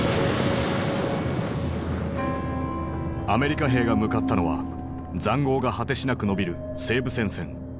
アメリカ兵が向かったのは塹壕が果てしなく延びる西部戦線。